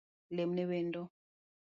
Lemne wendo